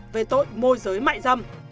về tội môi giới mại dâm